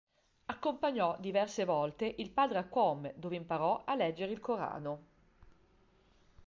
Accompagnò diverse volte il padre a Qom dove imparò a leggere il Corano.